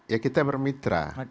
ya kita bermitra